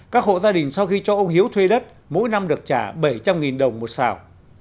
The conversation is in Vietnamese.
các hộ gia đình sau khi cho ông hiếu thuê đất mỗi năm được trả bảy trăm linh đồng một xào